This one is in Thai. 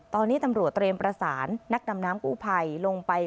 ตอนนี้ตำรวจเตรียมประสานนักดำน้ำกู้ภัยลงไป